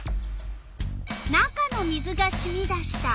「中の水がしみ出した」。